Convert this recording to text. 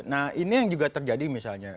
nah ini yang juga terjadi misalnya